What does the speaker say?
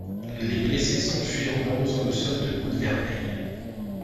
Les blessés s'enfuirent en arrosant le sol de gouttes vermeilles.